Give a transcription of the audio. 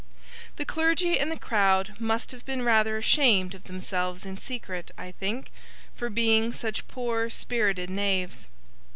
The clergy and the crowd must have been rather ashamed of themselves in secret, I think, for being such poor spirited knaves.